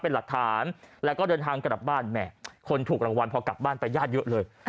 เป็นหลักฐานแล้วก็เดินทางกลับบ้านแหมคนถูกรางวัลพอกลับบ้านไปญาติเยอะเลย